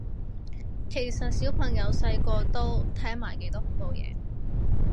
其實小朋友細個都聽埋幾多恐怖嘢